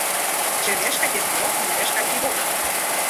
Če veš, kaj ti je bilo, ne veš, kaj ti bo.